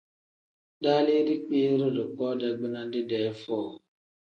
Daalii dikpiiri, dikpoo dagbina didee foo.